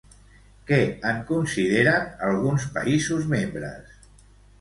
Què en consideren alguns països membres?